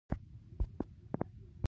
اوس هر چا خولې ورپسې کړي.